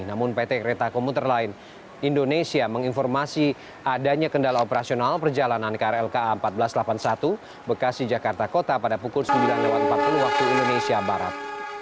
namun pt kereta komuter lain indonesia menginformasi adanya kendala operasional perjalanan krl ka seribu empat ratus delapan puluh satu bekasi jakarta kota pada pukul sembilan empat puluh waktu indonesia barat